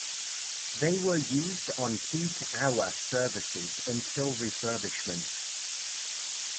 They were used on peak hour services until refurbishment.